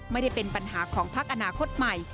ไม่ได้เป็นปัญหาของพักอนาคตใหม่